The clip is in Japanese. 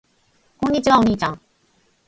こんにちは。お兄ちゃん。